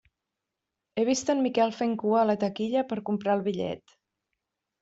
He vist en Miquel fent cua a la taquilla per comprar el bitllet.